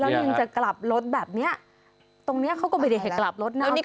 แล้วยังจะกลับรถแบบนี้นี่เขาก็ไม่ได้กลับรถเข้ามา